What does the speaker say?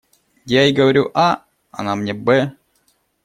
Я ей говорю «а», она мне «бэ»!